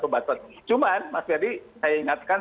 pembatasan cuman mas ferdie saya ingatkan